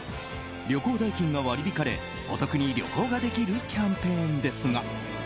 旅行代金が割り引かれお得に旅行ができるキャンペーンですが。